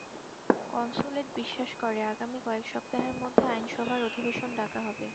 Consulate বিশ্বাস করে, আগামী কয়েক সপ্তাহের মধ্যে আইনসভার অধিবেশন ডাকা হবে।